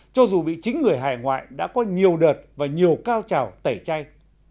cho dù bị chính người hải ngoại đã có nhiều đợt và nhiều cao trào tẩy chay